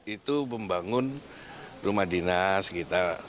itu membangun rumah dinas gitu